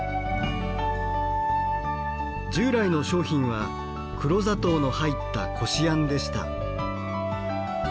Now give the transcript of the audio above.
従来の商品は黒砂糖の入ったこしあんでした。